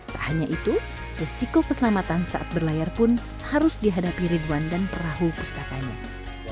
tak hanya itu resiko keselamatan saat berlayar pun harus dihadapi ridwan dan perahu pustakanya